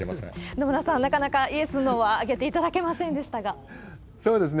野村さん、なかなかイエス、ノーは挙げていただけませんでしそうですね。